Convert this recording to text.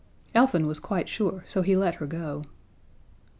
Elfin was quite sure, so he let her go.